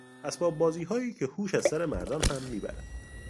اسباب بازیهایی که هوش از سر مردان هم میبرد